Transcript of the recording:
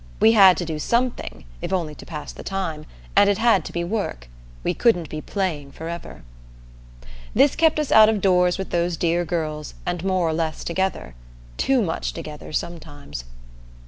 We had to do something, if only to pass the time, and it had to be work we couldn't be playing forever. This kept us out of doors with those dear girls, and more or less together too much together sometimes.